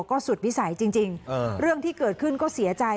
ก็สุดวิสัยจริงเรื่องที่เกิดขึ้นก็เสียใจ